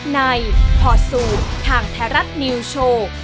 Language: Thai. ในพอร์ตสูตรทางไทยรัฐนิวโชว์